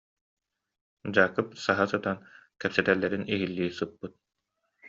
Дьаакып саһа сытан кэпсэтэллэрин иһиллии сыппыт